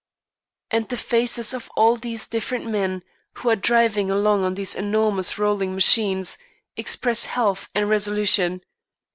And the faces of all these different men, who are driving along on these enormous rolling machines, express health and resolution.